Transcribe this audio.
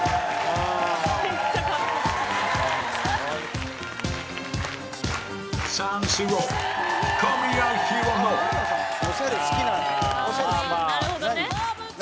ああなるほどね。